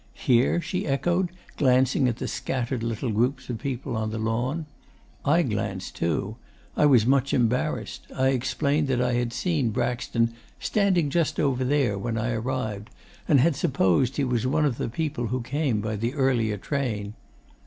"Here?" she echoed, glancing at the scattered little groups of people on the lawn. I glanced too. I was much embarrassed. I explained that I had seen Braxton "standing just over there" when I arrived, and had supposed he was one of the people who came by the earlier train.